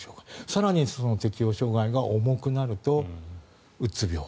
更に、その適応障害が重くなるとうつ病。